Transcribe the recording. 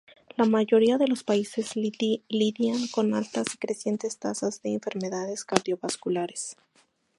La mayoría de los países lidian con altas y crecientes tasas de enfermedades cardiovasculares.